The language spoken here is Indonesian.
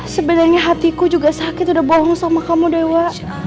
sebenarnya hatiku juga sakit udah bohong sama kamu dewa